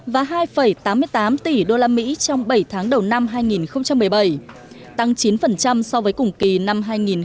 và hai tám mươi tám tỷ usd trong bảy tháng đầu năm hai nghìn một mươi bảy tăng chín so với cùng kỳ năm hai nghìn một mươi bảy